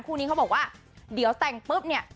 คู่นี้เขาบอกว่าเดี๋ยวแต่งปุ๊บเนี่ย